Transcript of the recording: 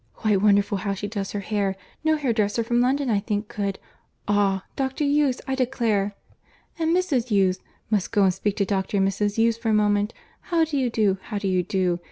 Quite wonderful how she does her hair!—No hairdresser from London I think could.—Ah! Dr. Hughes I declare—and Mrs. Hughes. Must go and speak to Dr. and Mrs. Hughes for a moment.—How do you do? How do you do?